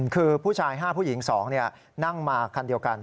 คือผู้ชาย๕ผู้หญิง๒นั่งมาคันเดียวกัน